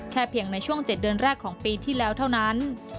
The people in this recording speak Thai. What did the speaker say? เพียงในช่วง๗เดือนแรกของปีที่แล้วเท่านั้น